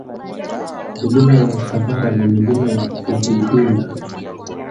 Milima ya Usambara na Milima ya Uvidunda